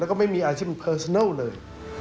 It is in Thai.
แล้วก็ไม่มีอาชีพที่มีประโยชน์เลย